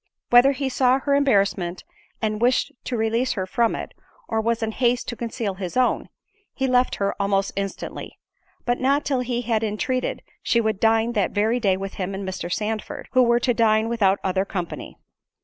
Whether he saw her embarrassment, and wished to release her from it, or was in haste to conceal his own, he left her almost instantly: but not till he had entreated she would dine that very day with him and Mr. Sandford, who were to dine without other company.